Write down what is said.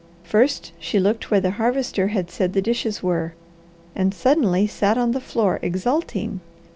First, she looked where the Harvester had said the dishes were, and suddenly sat on the floor exulting.